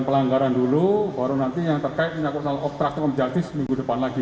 pelanggaran dulu baru nanti yang terkait minyak kursal obsreakton objektif minggu depan lagi